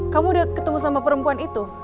kamu udah ketemu sama perempuan itu